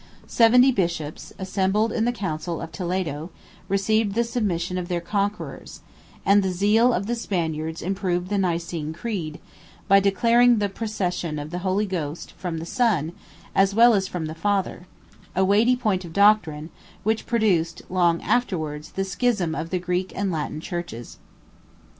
Seventy bishops, assembled in the council of Toledo, received the submission of their conquerors; and the zeal of the Spaniards improved the Nicene creed, by declaring the procession of the Holy Ghost from the Son, as well as from the Father; a weighty point of doctrine, which produced, long afterwards, the schism of the Greek and Latin churches.